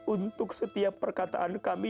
untuk setiap perkataan kami